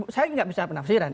saya tidak bisa penafsiran